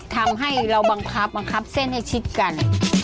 ทำให้เราบังคับบังคับเส้นให้ชิดกัน